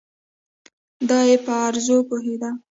دای په عروضو پوهېده.